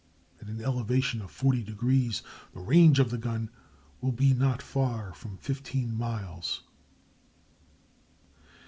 At an elevation of 40 degrees the range of the gun will be not far from 15 miles."